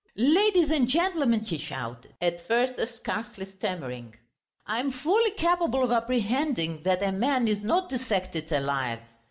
"Ladies and gentlemen!" he shouted, at first scarcely stammering, "I am fully capable of apprehending that a man is not dissected alive.